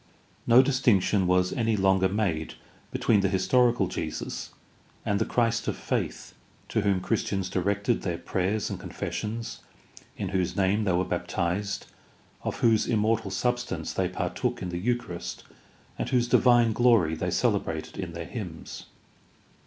No distinction Vas any longer made between the historical Jesus and the Christ of faith to whom Christians directed their prayers and confessions, in whose name they were baptized, of whose immortal substance they partook in the Eucharist, and whose divine glory they cele brated in their hymns.